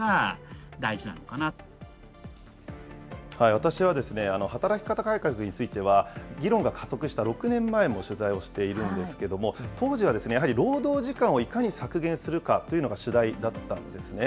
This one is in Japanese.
私は、働き方改革については議論が加速した６年前も取材をしているんですけども、当時はやはり、労働時間をいかに削減するかというのが主題だったんですね。